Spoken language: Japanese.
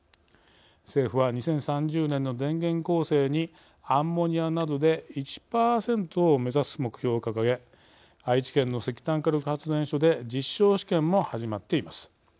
政府は２０３０年の電源構成にアンモニアなどで１％を目指す目標を掲げ愛知県の石炭火力発電所で実証試験も始まっています。